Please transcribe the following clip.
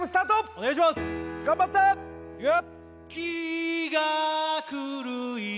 お願いします頑張っていいよ！